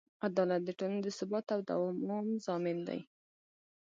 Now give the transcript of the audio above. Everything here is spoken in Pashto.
عدالت د ټولنې د ثبات او دوام ضامن دی.